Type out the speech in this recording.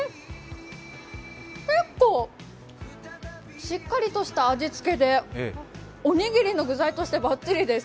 結構しっかりとした味付けでおにぎりの具材としてバッチリです。